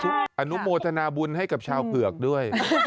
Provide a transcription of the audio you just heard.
อนุโมทนาบุญให้กับชาวเผือกด้วย